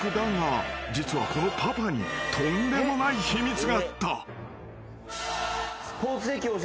［実はこのパパにとんでもない秘密があった］